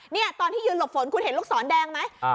นี่ตอนที่ยืนหลบฝนคุณเห็นลูกศรแดงไหม